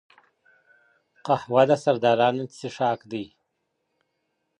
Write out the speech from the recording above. قهوه د سردارانو څښاک دی